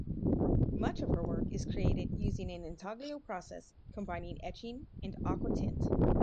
Much of her work is created using an intaglio process combining etching and aquatint.